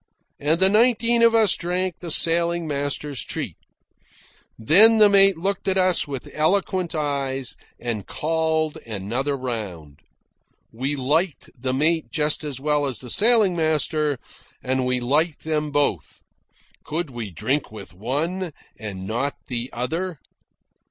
And the nineteen of us drank the sailing master's treat. Then the mate looked at us with eloquent eyes and called another round. We liked the mate just as well as the sailing master, and we liked them both. Could we drink with one, and not the other?